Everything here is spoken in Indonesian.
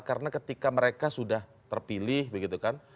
karena ketika mereka sudah terpilih begitu kan